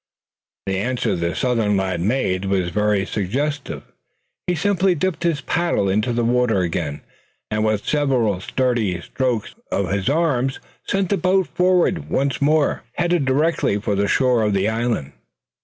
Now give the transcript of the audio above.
The answer the Southern lad made was very suggestive. He simply dipped his paddle into the water again, and with several sturdy movements of his arms sent the boat forward once more, headed directly for the shore of the island.